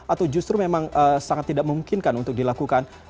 atau justru memang sangat tidak memungkinkan untuk diberikan informasi